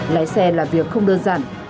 lái xe là việc không đơn giản